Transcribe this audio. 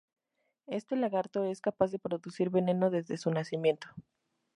Este lagarto es capaz de producir veneno desde su nacimiento.